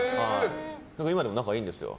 今でも仲がいいんですよ。